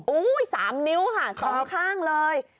โอ้ยสามนิ้วค่ะสองข้างเลย